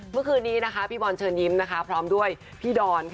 เมื่อคืนพี่บอลเชิงยิ้มและพี่ดอน